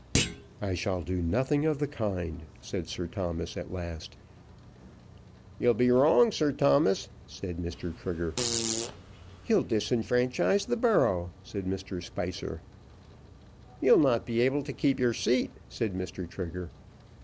"I shall do nothing of the kind," said Sir Thomas at last. "You'll be wrong, Sir Thomas," said Mr. Trigger. "You'll disfranchise the borough," said Mr. Spicer. "You'll not be able to keep your seat," said Mr. Trigger.